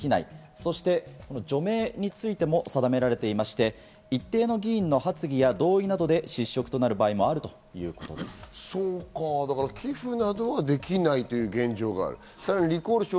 そして、この除名についても定められていまして、一定の議員の発議や同意などで失職となる場合もあるということで寄付などはできないという現状。